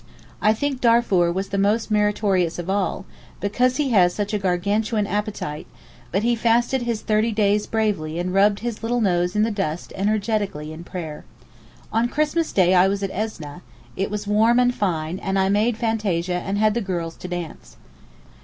I think Darfour was the most meritorious of all, because he has such a Gargantuan appetite, but he fasted his thirty days bravely and rubbed his little nose in the dust energetically in prayer. On Christmas day I was at Esneh, it was warm and fine, and I made fantasia and had the girls to dance.